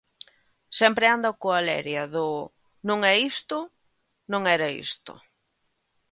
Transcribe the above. Sempre anda coa leria do "non é isto, non era isto".